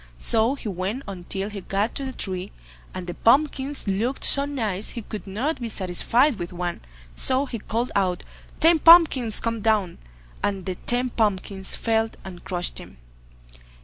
So he went on till he got to the tree, and the pumpkins looked so nice he could not be satisfied with one, so he called out, "Ten pumpkins come down", and the ten pumpkins fell and crushed him.